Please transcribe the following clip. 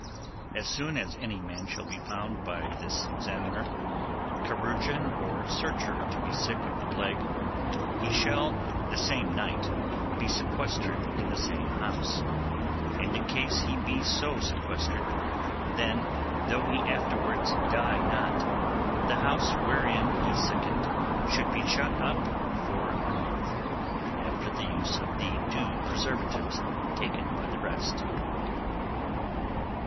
'As soon as any man shall be found by this examiner, chirurgeon, or searcher to be sick of the plague, he shall the same night be sequestered in the same house; and in case he be so sequestered, then though he afterwards die not, the house wherein he sickened should be shut up for a month, after the use of the due preservatives taken by the rest.